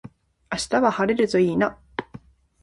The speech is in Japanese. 明日は晴れるといいな。